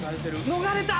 逃れた。